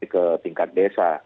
ke tingkat desa